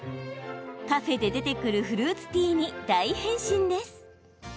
カフェで出てくるフルーツティーに大変身です。